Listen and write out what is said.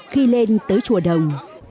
khi lên tới chùa đồng